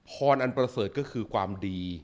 อันประเสริฐก็คือความดี